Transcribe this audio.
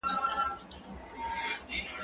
کېدای شي کار ستونزمن وي؟!